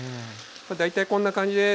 大体こんな感じです。